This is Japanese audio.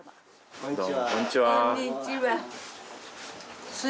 こんにちは。